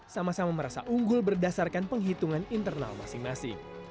sama sama merasa unggul berdasarkan penghitungan internal masing masing